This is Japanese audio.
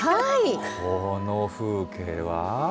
この風景は。